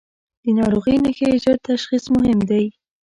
د ناروغۍ نښې ژر تشخیص مهم دي.